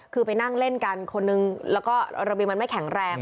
คือไปนั่งเล่นกันคนนึงแล้วก็ระเบียงมันไม่แข็งแรง